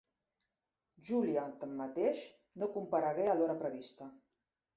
Julià, tanmateix, no comparegué a l'hora prevista.